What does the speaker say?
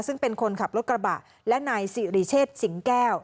ซึ่งเป็นคนขับรถกระบะและนายสิริเชษสิงแก้ว